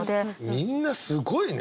みんなすごいね！